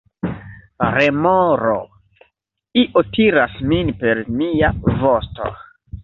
Remoro: "Io tiras min per mia vosto."